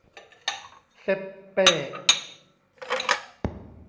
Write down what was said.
เซ็ปเป้